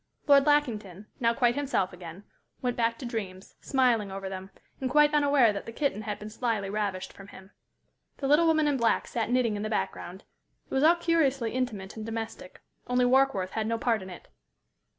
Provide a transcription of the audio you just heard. Lord Lackington, now quite himself again, went back to dreams, smiling over them, and quite unaware that the kitten had been slyly ravished from him. The little woman in black sat knitting in the background. It was all curiously intimate and domestic, only Warkworth had no part in it.